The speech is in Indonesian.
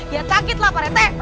ya sakitlah parete